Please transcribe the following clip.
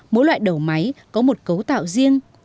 mỗi loại đầu máy có một cấu tạo riêng